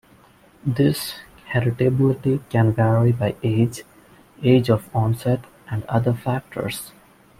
This heritability can vary by age, age of onset, and other factors.